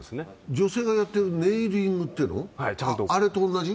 女性がやってるネイリングっていうのと同じ？